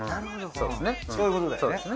そういうことだよね。